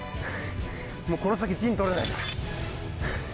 もうこの先陣取れないから。